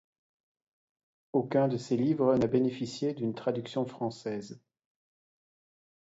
Aucun de ses livres n'a bénéficié d'une traduction française.